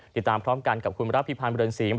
ติดตามพร้อมกันกับคุณรับพิพันธ์เรือนศรีม